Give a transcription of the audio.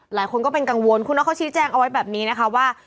หลายคนก็เป็นกังวลคุณน็อตเขาชี้แจงเอาไว้แบบนี้นะคะว่า